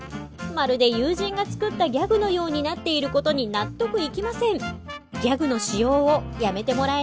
まるで友人が作ったギャグのようになっていることに納得いきませんね